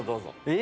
え